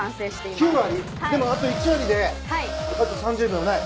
でもあと１割であと３０秒ない。